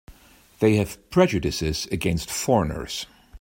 They have prejudices against foreigners.